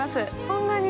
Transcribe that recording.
そんなに？